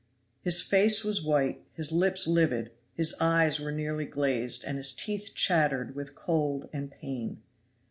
His face was white, his lips livid, his eyes were nearly glazed, and his teeth chattered with cold and pain.